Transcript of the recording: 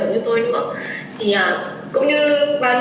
và có những bài học nó đau thương nhất định